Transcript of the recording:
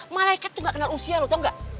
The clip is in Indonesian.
malaikat tuh gak kenal usia lo tau gak